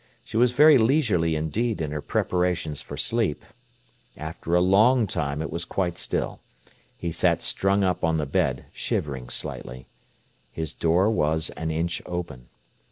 She was very leisurely indeed in her preparations for sleep. After a long time it was quite still. He sat strung up on the bed, shivering slightly. His door was an inch open.